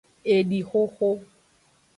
Edixoxo.